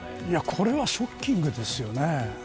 これはショッキングですね。